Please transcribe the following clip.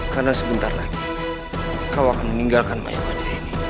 karena sebentar lagi kau akan meninggalkan mayatmu ini